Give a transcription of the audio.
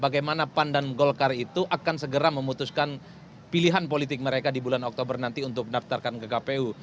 bagaimana pan dan golkar itu akan segera memutuskan pilihan politik mereka di bulan oktober nanti untuk mendaftarkan ke kpu